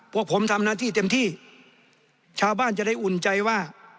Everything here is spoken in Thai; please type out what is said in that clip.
พวกผมทำหน้าที่เต็มที่ชาวบ้านจะได้อุ่นใจว่า